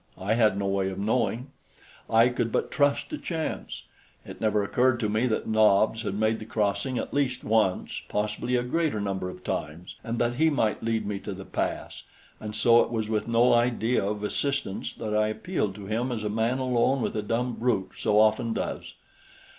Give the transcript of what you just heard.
I had no way of knowing. I could but trust to chance. It never occurred to me that Nobs had made the crossing at least once, possibly a greater number of times, and that he might lead me to the pass; and so it was with no idea of assistance that I appealed to him as a man alone with a dumb brute so often does.